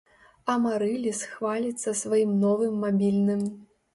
Амарыліс хваліцца сваім новым мабільным.